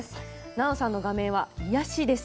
南朋さんの画面は癒やしです。